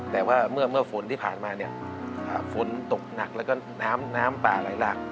แต่ว่าเมื่อฝนที่ผ่านมาเนี่ยฝนตกหนักแล้วก็น้ำป่าไหลหลาก